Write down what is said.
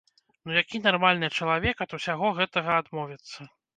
Ну які нармальны чалавек ад усяго гэтага адмовіцца?